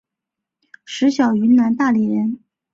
石晓云南大理人。